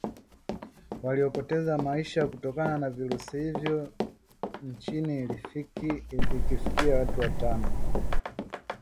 waliopoteza maisha kutokana navirusi hivyo nchini ikifikia watu watano